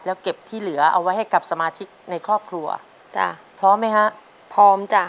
แล้วเก็บที่เหลือเอาไว้ให้กับสมาชิกในครอบครัวจ้ะพร้อมไหมฮะพร้อมจ้ะ